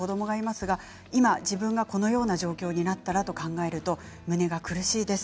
今、自分がこのような状況になったらと考えると胸が苦しいです。